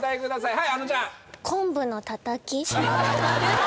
はい！